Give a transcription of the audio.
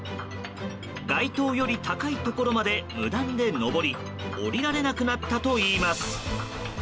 街灯より高いところまで無断で登り下りられなくなったといいます。